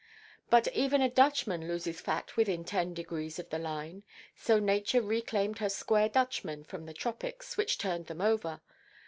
But even a Dutchman loses fat within ten degrees of the line. So Nature reclaimed her square Dutchmen from the tropics, which turned them over.